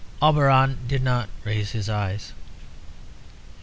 Auberon did not raise his eyes.